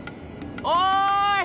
おい！